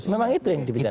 memang itu yang dibicarakan